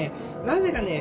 なぜかね